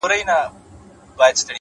مهرباني د زړونو یخ ویلې کوي،